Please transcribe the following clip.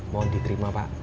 mohon diterima pak